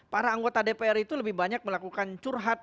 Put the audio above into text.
para anggota dpr itu lebih banyak melakukan curhat